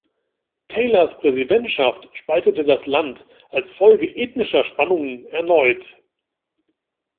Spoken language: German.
Taylors Präsidentschaft spaltete das Land als Folge ethnischer Spannungen erneut.